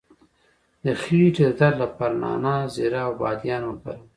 د خیټې د درد لپاره نعناع، زیره او بادیان وکاروئ